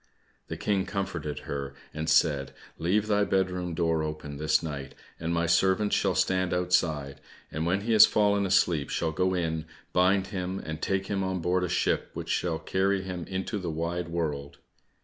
The King comforted her and said, "Leave thy bed room door open this night, and my servants shall stand outside, and when he has fallen asleep shall go in, bind him, and take him on board a ship which shall carry him into the wide world."